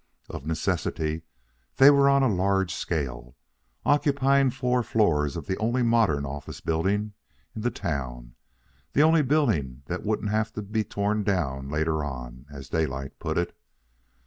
Of necessity, they were on a large scale, occupying four floors of the only modern office building in the town the only building that wouldn't have to be torn down later on, as Daylight put it.